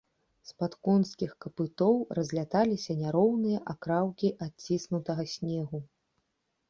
З-пад конскіх капытоў разляталіся няроўныя акраўкі адціснутага снегу.